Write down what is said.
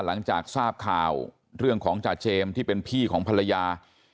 หลังจากทราบข่าวเรื่องของจาเจมส์ที่เป็นพี่ของภรรยา